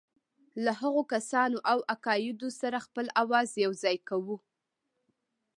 له هغو کسانو او عقایدو سره خپل آواز یوځای کوو.